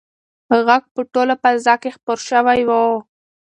غږ په ټوله فضا کې خپور شوی دی.